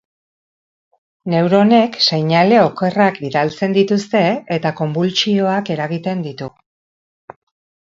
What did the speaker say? Neuronek seinale okerrak bidaltzen dituzte eta konbultsioak eragiten ditu.